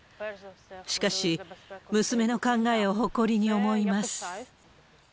しかし、娘の考えを誇りに思います。